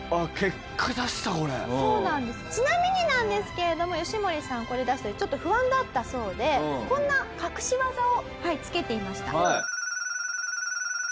ちなみになんですけれどもヨシモリさんこれ出す時ちょっと不安だったそうでこんな隠し技をつけていました。